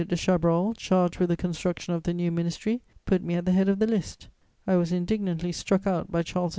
de Chabrol, charged with the construction of the new ministry, put me at the head of the list: I was indignantly struck out by Charles X.